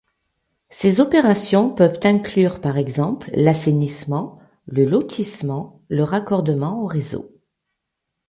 Ces opérations peuvent inclure par exemple l'assainissement, le lotissement, le raccordement aux réseaux.